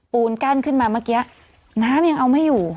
กั้นขึ้นมาเมื่อกี้น้ำยังเอาไม่อยู่